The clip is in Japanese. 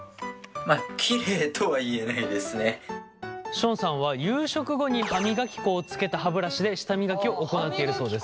ションさんは夕食後に歯磨き粉をつけた歯ブラシで舌磨きを行っているそうです。